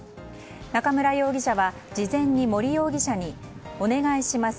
中村容疑者は事前に森容疑者にお願いします